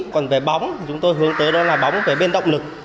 còn về bóng chúng tôi hướng tới đó là bóng về bên động lực